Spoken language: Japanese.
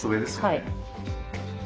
はい。